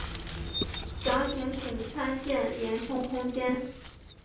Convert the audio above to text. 详情请参见连通空间。